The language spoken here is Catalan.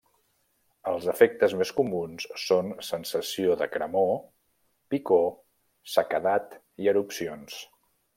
Els efectes més comuns són sensació de cremor, picor, sequedat i erupcions.